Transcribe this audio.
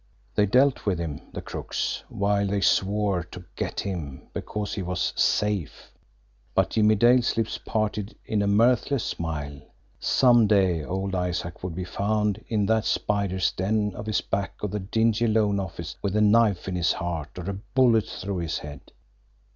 They dealt with him, the crooks, while they swore to "get" him because he was "safe," but Jimmie Dale's lips parted in a mirthless smile some day old Isaac would be found in that spiders' den of his back of the dingy loan office with a knife in his heart or a bullet through his head!